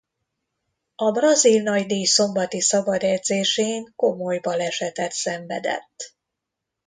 A brazil nagydíj szombati szabadedzésén komoly balesetet szenvedett.